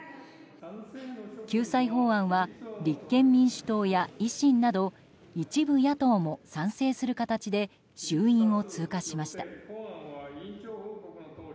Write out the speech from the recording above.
救済法案は立憲民主党や維新など一部野党も賛成する形で衆院を通過しました。